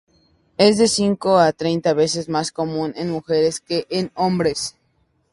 Es de cinco a treinta veces más común en mujeres que en hombres.